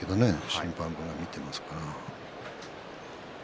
審判部が見ていますから。